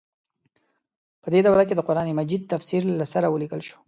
په دې دوره کې د قران مجید تفسیر له سره ولیکل شو.